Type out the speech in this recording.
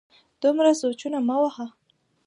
دومره سوچونه مه وهه